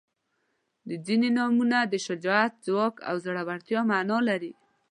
• ځینې نومونه د شجاعت، ځواک او زړورتیا معنا لري.